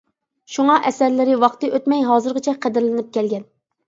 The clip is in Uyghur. شۇڭا ئەسەرلىرى ۋاقتى ئۆتمەي ھازىرغىچە قەدىرلىنىپ كەلگەن.